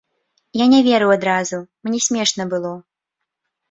Я не верыў адразу, мне смешна было.